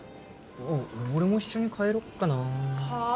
俺も一緒に帰ろっかなはあ？